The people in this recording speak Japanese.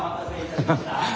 ハハハッ。